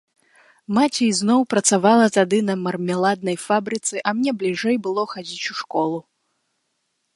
Маці ізноў працавала тады на мармеладнай фабрыцы, а мне бліжэй было хадзіць у школу.